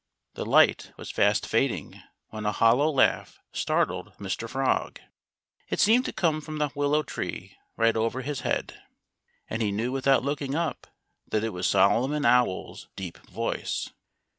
The light was fast fading when a hollow laugh startled Mr. Frog. It seemed to come from the willow tree right over his head. And he knew without looking up that it was Solomon Owl's deep voice.